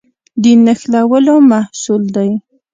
دین نښلولو محصول دی.